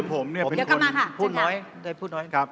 ผมเป็นคนพูดน้อย